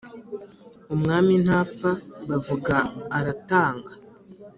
Umwami ntapfa, bavuga aratanga